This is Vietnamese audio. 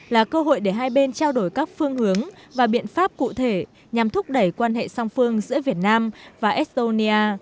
là cơ hội để hai bên trao đổi các phương hướng và biện pháp cụ thể nhằm thúc đẩy quan hệ song phương giữa việt nam và estonia